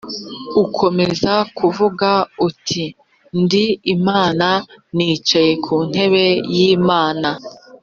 ukomeza kuvuga uti ndi imana nicaye ku ntebe y’imana